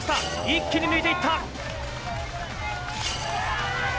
一気に抜いていった。